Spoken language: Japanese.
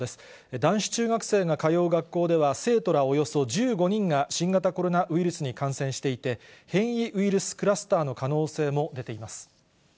男子中学生が通う学校では、生徒らおよそ１５人が新型コロナウイルスに感染していて、変異ウイルスクラスターの可能性も出ています。